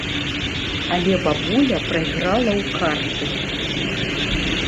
Але бабуля прайграла ў карты.